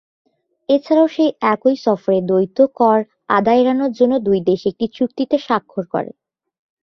এছাড়াও সেই একই সফরে, দ্বৈত কর আদায় এড়ানোর জন্য দুই দেশ একটি চুক্তিতে সাক্ষর করে।